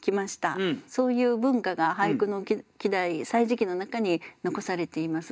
そういう文化が俳句の季題「歳時記」の中に残されています。